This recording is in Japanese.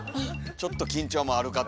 ちょっと緊張もあるかと。